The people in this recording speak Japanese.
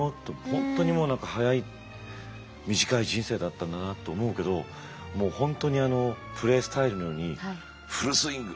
本当に早い短い人生だったんだなと思うけど本当にプレースタイルのようにフルスイング！